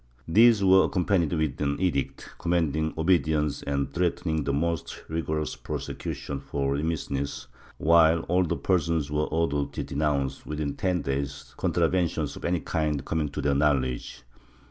These were accompanied with an edict, commanding obedience and threatening the most rigorous prosecution for remiss ness, while all persons were ordered to denounce, within ten days, contraventions of any kind coming to their knowledge.